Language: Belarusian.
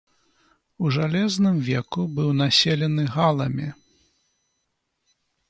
У жалезным веку быў населены галамі.